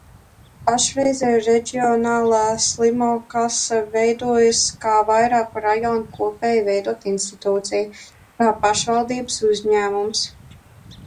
Pašreiz reģionālā slimokase veidojas kā vairāku rajonu kopēji veidota institūcija, kā pašvaldības uzņēmums.